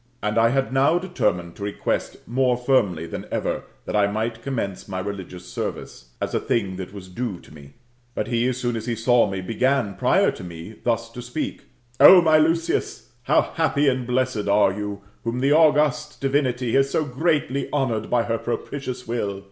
And I had now determined lo request more firmly than ever that I might commence my religious service, as a thing that was due to me. But he, as soon as he saw me, bepan, prior to me, thus to speak :'' O my Lucius, how happy and blessed are you, whom the august divinity has so greatly honoured by her propitious will